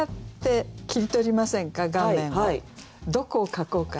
どこを描こうかなって。